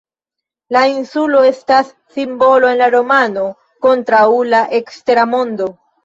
La insulo estas simbolo en la romano kontraŭ la ekstera mondo.